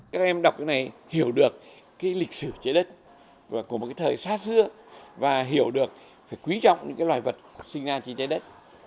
các em đọc cái này hiểu được cái lịch sử trái đất của một cái thời sát xưa và hiểu được phải quý trọng những loài vật sinh ra trên trái đất